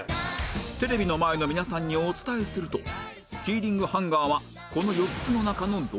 テレビの前の皆さんにお伝えするとキーリングハンガーはこの４つの中のどれか